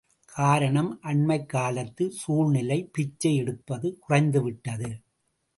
காரணம் அண்மைக் காலத்துச் சூழ்நிலை பிச்சை எடுப்பது குறைந்துவிட்டது.